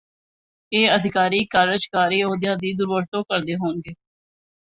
ਇਹ ਅਧਿਕਾਰੀ ਕਾਰਜ਼ਕਾਰੀ ਅਹੁਦਿਆਂ ਦੀ ਦੁਰਵਰਤੋਂ ਕਰਦੇ ਹੋਣਗੇ